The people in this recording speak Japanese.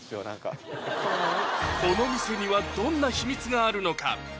何かこの店にはどんな秘密があるのか？